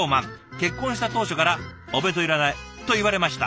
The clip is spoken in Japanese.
結婚した当初から『お弁当いらない』と言われました。